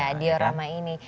iya diorama ini